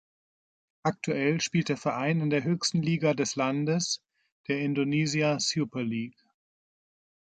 Aktuell spielt der Verein in der höchsten Liga des Landes, der Indonesia Super League.